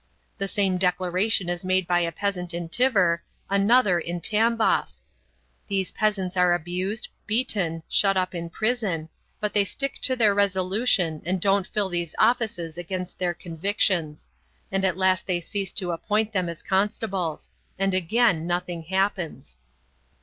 The same declaration is made by a peasant in Tver, another in Tambov. These peasants are abused, beaten, shut up in prison, but they stick to their resolution and don't fill these offices against their convictions. And at last they cease to appoint them as constables. And again nothing happens.